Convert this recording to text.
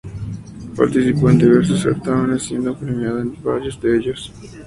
Participó en diversos certámenes, siendo premiada en en varios de ellos.